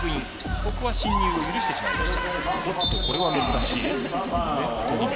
ここは進入を許してしまいました。